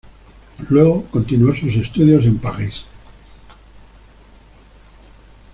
Luego continuó sus estudios en París.